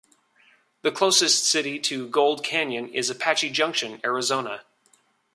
The closest city to Gold Canyon is Apache Junction, Arizona.